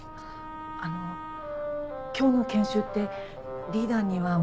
あの今日の研修ってリーダーには向いてない